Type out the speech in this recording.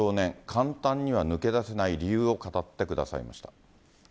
簡単には抜け出せない理由を語ってくださいました。